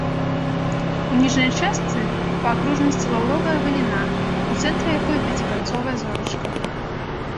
У ніжняй частцы па акружнасці лаўровая галіна, у цэнтры якой пяціканцовая зорачка.